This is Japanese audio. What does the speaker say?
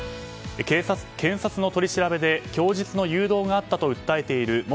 検察の取り調べで供述の誘導があったと訴えている元